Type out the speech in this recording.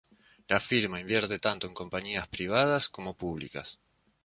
La firma invierte tanto en compañías privadas como públicas.